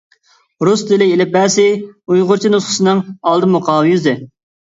«رۇس تىلى ئېلىپبەسى» ئۇيغۇرچە نۇسخىسىنىڭ ئالدى مۇقاۋا يۈزى.